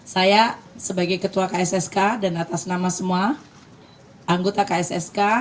saya sebagai ketua kssk dan atas nama semua anggota kssk